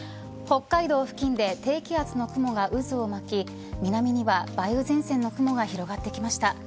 北海道付近で低気圧の雲が渦を巻き南には梅雨前線の雲が広がってきました。